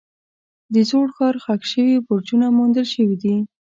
د زوړ ښار ښخ شوي برجونه موندل شوي دي.